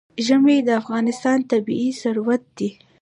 ژمی د افغانستان طبعي ثروت دی.